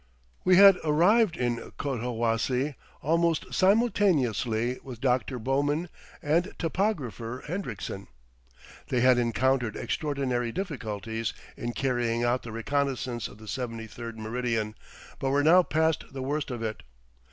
We had arrived in Cotahuasi almost simultaneously with Dr. Bowman and Topographer Hendriksen. They had encountered extraordinary difficulties in carrying out the reconnaissance of the 73d meridian, but were now past the worst of it.